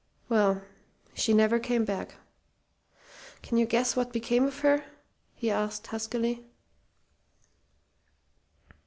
Well, she never came back. Can you guess what became of her?" he asked, huskily.